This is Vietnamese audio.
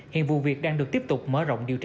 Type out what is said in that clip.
hiện vụ việc đang được tiếp tục mở rộng điều tra